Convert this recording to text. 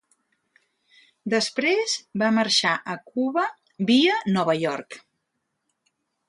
Després va marxar a Cuba via Nova York.